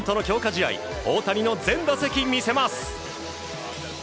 試合大谷の全打席見せます。